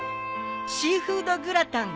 シーフードグラタン